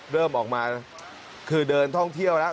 เริ่มออกมาคือเดินท่องเที่ยวแล้ว